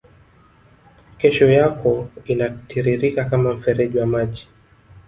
kesho yako inatiririka kama mfereji wa maji